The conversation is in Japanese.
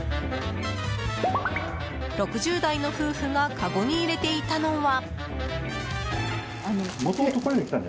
６０代の夫婦がかごに入れていたのは。